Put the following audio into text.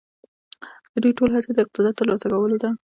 د دوی ټوله هڅه د اقتدار د تر لاسه کولو ده.